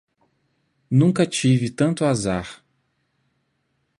Nunca tive tanto azar